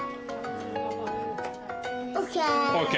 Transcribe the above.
ＯＫ！